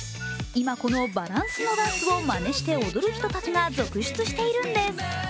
今この「バランすのダンス」をまねして踊る人たちが続出しているんです。